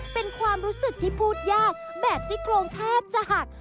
เป็นความรู้สึกที่พูดยากแบบซี่โครงแทบจะหัก